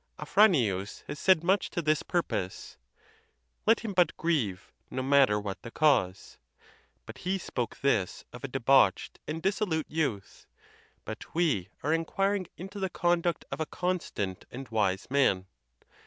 Afra nius has said much to this purpose: Let him but grieve, no matter what the cause. But he spoke this of a debauched and dissolute youth. But we are inquiring into the conduct of a constant and wise man.